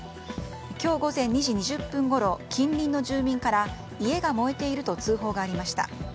今日午前２時２０分ごろ近隣の住民から家が燃えていると通報がありました。